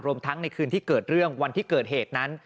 ทั้งในคืนที่เกิดเรื่องวันที่เกิดเหตุนั้น